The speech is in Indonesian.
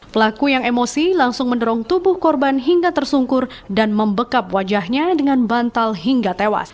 pelaku yang emosi langsung mendorong tubuh korban hingga tersungkur dan membekap wajahnya dengan bantal hingga tewas